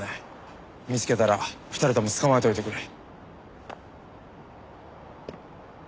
見つけたら２人とも捕まえておいてくれ。